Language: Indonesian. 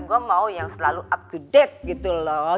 gue mau yang selalu up to date gitu loh